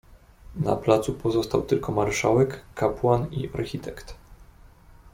"Na placu pozostał tylko marszałek, kapłan i architekt."